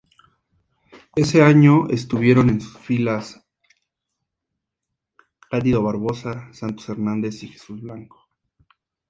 Ese año estuvieron en sus filas Cândido Barbosa, Santos Hernández y Jesús Blanco.